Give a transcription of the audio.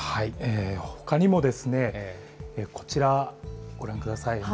ほかにもこちらご覧ください。